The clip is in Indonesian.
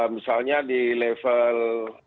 misalnya di level